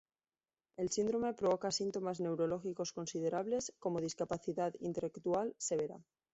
El síndrome provoca síntomas neurológicos considerables, como discapacidad intelectual severa.